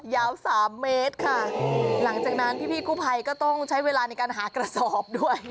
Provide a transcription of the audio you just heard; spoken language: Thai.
ยาว๓เมตรค่ะหลังจากนั้นพี่กู้ภัยก็ต้องใช้เวลาในการหากระสอบด้วย